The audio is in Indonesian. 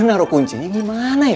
eh gue taruh kuncinya gimana ya